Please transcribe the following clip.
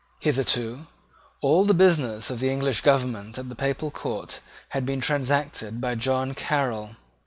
Hitherto all the business of the English government at the papal court had been transacted by John Caryl.